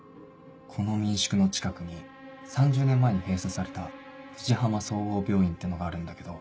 この民宿の近くに３０年前に閉鎖された富士浜総合病院ってのがあるんだけど。